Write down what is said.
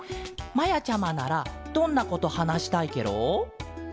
まやちゃまならどんなことはなしたいケロ？